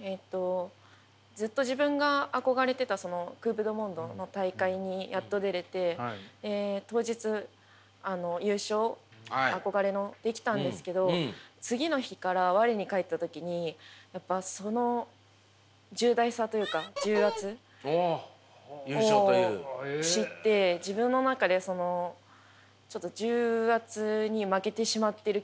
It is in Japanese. えっとずっと自分が憧れてたそのクープ・デュ・モンドの大会にやっと出れて当日優勝憧れのできたんですけど次の日から我に返った時にやっぱその重大さというか重圧を知って自分の中でそのちょっと重圧に負けてしまっている気持ちがたまにあるんですね。